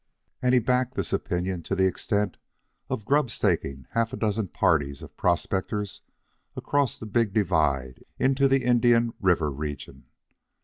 And he backed this opinion to the extent of grub staking half a dozen parties of prospectors across the big divide into the Indian River region.